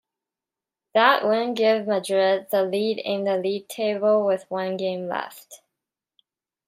That win gave Madrid the lead in the league table, with one game left.